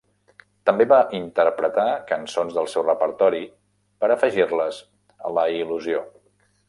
També va interpretar cançons del seu repertori per afegir-les a la il·lusió.